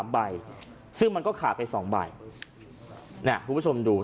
ใบซึ่งมันก็ขาดไป๒ใบเนี่ยคุณผู้ชมดู